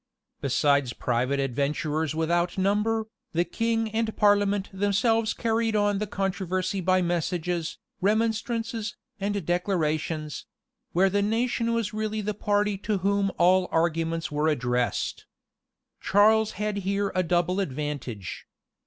Besides private adventurers without number, the king and parliament themselves carried on the controversy by messages, remonstrances, and declarations; where the nation was really the party to whom all arguments were addressed. Charles had here a double advantage.